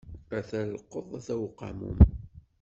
Ata llqeḍ, ata uqamum.